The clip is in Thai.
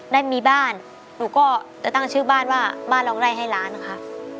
ได้มีบ้านหนูก็จะตั้งชื่อบ้านว่าบ้านร้องได้ให้ล้านค่ะ